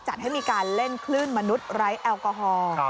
จัดให้มีการเล่นคลื่นมนุษย์ไร้แอลกอฮอล์